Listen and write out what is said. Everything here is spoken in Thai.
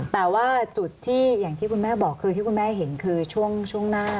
แต่ว่าจุดที่อย่างที่คุณแม่บอกคือที่คุณแม่เห็นคือช่วงหน้า